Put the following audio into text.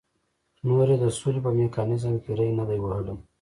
نور یې د سولې په میکانیزم کې ری نه دی وهلی.